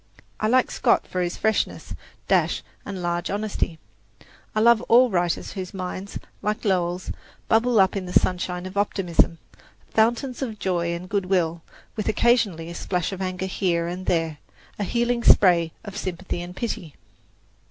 I like Scott for his freshness, dash and large honesty. I love all writers whose minds, like Lowell's, bubble up in the sunshine of optimism fountains of joy and good will, with occasionally a splash of anger and here and there a healing spray of sympathy and pity.